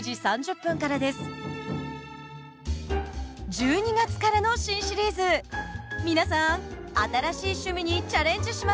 １２月からの新シリーズ皆さん新しい趣味にチャレンジしませんか？